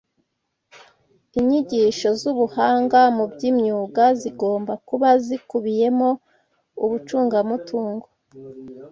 Inyigisho z’ubuhanga mu by’imyuga zigomba kuba zikubiyemo ubucungamutungo